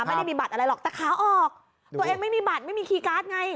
ไม่ได้มีบัตรอะไรหรอกแต่ขาออกตัวเองไม่มีบัตรไม่มีคีย์การ์ดไง